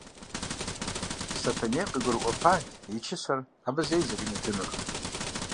Сэтэней къыгурыӀуэпат и чысэр абы зэи зэрыримытынур.